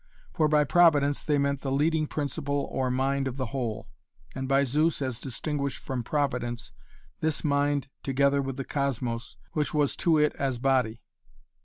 For by Providence they meant the leading principle or mind of the whole, and by Zeus, as distinguished from Providence, this mind together with the cosmos, which was to it as body.